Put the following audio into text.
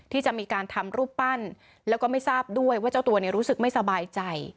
ที่จะมีการทำรูปปั้นแล้วก็ไม่ทราบด้วยว่าเจ้าตัวรู้สึกไม่สบายใจ